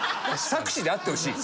策士であってほしい。